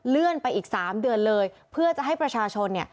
ไปอีก๓เดือนเลยเพื่อจะให้ประชาชน